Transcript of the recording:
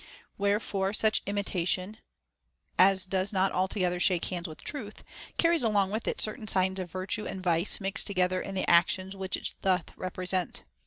Where fore such imitation as does not altogether shake hands with truth carries along with it certain signs of virtue and vice mixed together in the actions which it doth represent.